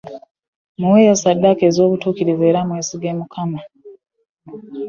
Muweeyo ssadaaka ezobutukiriivu era mwesige Mukama.